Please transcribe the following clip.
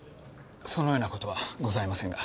そのような事はございませんが。